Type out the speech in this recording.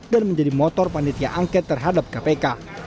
dan menjadi motor panitia angket terhadap kpk